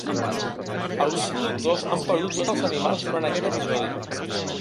Alguns productors han perdut tots els animals durant aquest episodi.